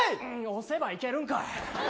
押せばいけるんかい。